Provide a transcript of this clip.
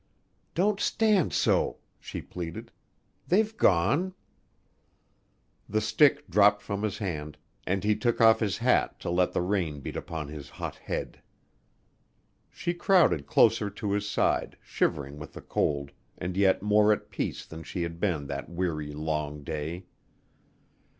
"Don't stand so," she pleaded. "They've gone." The stick dropped from his hand, and he took off his hat to let the rain beat upon his hot head. She crowded closer to his side, shivering with the cold, and yet more at peace than she had been that weary, long day.